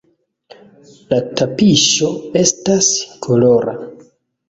La tapiŝo estas kolora.